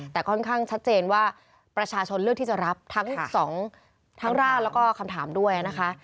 แต่ค่อนข้างชัดเจนว่าประชาชนเลือกที่จะรับทั้งสองทั้งร่างแล้วก็คำถามด้วยนะคะ